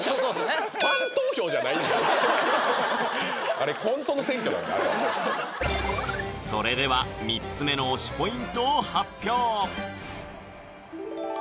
あれ本当の選挙なんでそれでは３つ目の推しポイントを発表